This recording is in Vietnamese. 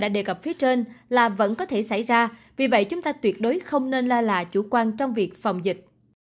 đã đề cập phía trên là vẫn có thể xảy ra vì vậy chúng ta tuyệt đối không nên la lạ chủ quan trong việc phòng dịch